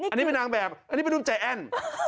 อันนี้เป็นนางแบบอันนี้เป็นรุ่นใจแอ้น